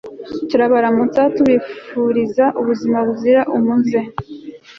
turabaramutsa tubifuriza ubuzima buzira umuze